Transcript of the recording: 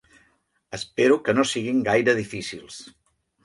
Espero que no siguin gaire difícils.